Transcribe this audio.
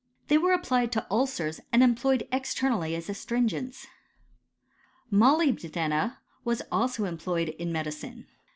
They were applied to ulcers, jand employed externally as astringents. Molybdena was also employed in medicine.